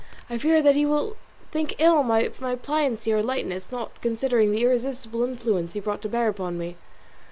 I fear that he will think ill of my pliancy or lightness, not considering the irresistible influence he brought to bear upon me."